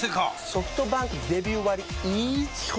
ソフトバンクデビュー割イズ基本